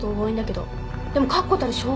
でも確固たる証拠は？